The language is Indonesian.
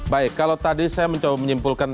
baik kalau tadi saya mencoba menyimpulkan